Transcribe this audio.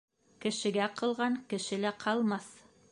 Кешегә ҡылған кешелә ҡалмаҫ.